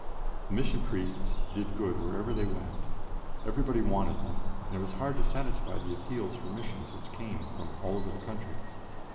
The Mission Priests did good wherever they went; everybody wanted them, and it was hard to satisfy the appeals for missions which came from all over the country.